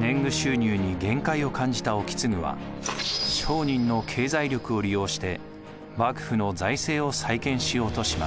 年貢収入に限界を感じた意次は商人の経済力を利用して幕府の財政を再建しようとします。